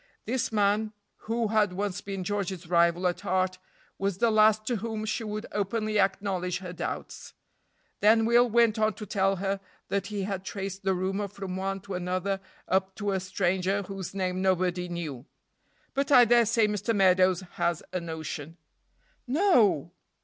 This man, who had once been George's rival at heart, was the last to whom she would openly acknowledge her doubts. Then Will went on to tell her that he had traced the rumor from one to another up to a stranger whose name nobody knew; "but I dare say Mr. Meadows has a notion." "No!"